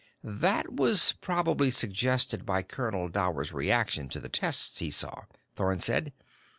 "That was probably suggested by Colonel Dower's reaction to the tests he saw," Thorn said.